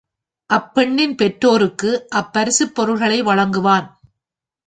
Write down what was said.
அப்பெண்ணின் பெற்றாேருக்கு அப் பரிசுப் பொருள்களை வழங்குவான்.